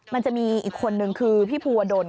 มันจะมีอีกคนนึงคือพี่ภูวดล